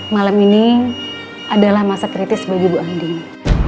malam ini adalah masa kritis bagi bu andina